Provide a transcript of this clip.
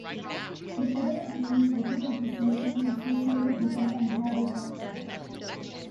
The Federal Police located the cell phone associated with it and had it wiretapped.